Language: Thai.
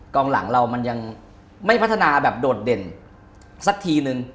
กลางหลังเรามันยังไม่พัฒนาแบบโดดเด่นสักทีนึง